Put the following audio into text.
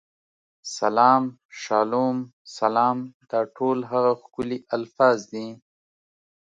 سلام، شالوم، سالم، دا ټول هغه ښکلي الفاظ دي.